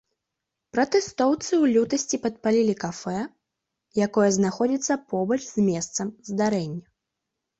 Пратэстоўцы ў лютасці падпалілі кафэ, якое знаходзіцца побач з месцам здарэння.